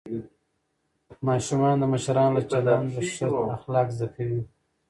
ماشومان د مشرانو له چلنده ښه اخلاق زده کوي